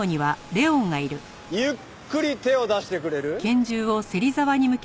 ゆっくり手を出してくれる？